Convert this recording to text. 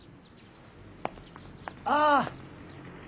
ああ。